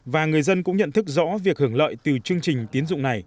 và người dân cũng nhận thức rõ việc hưởng lợi từ chương trình tiến dụng này